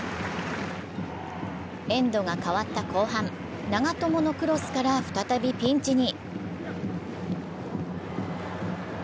エンドが変わった後半、長友のクロスから再びピンチに。